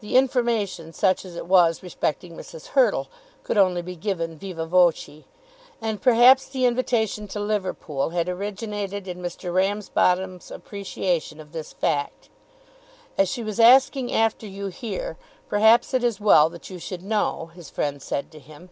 The information, such as it was, respecting Mrs. Hurtle, could only be given vivâ voce, and perhaps the invitation to Liverpool had originated in Mr. Ramsbottom's appreciation of this fact. "As she was asking after you here, perhaps it is as well that you should know," his friend said to him.